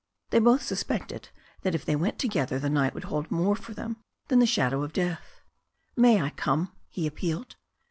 They both suspected that if they went together the night would hold more for them than the shadow of death. "May I come?" he appealed.